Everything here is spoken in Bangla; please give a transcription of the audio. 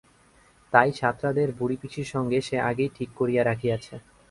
তাই সাতরাদের বুড়ি পিসির সঙ্গে সে আগেই ঠিক করিয়া রাখিয়াছে।